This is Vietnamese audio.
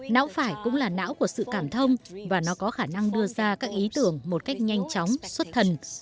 não phải cũng là não của sự cảm thông và nó có khả năng đưa ra các ý tưởng một cách nhanh chóng xuất thần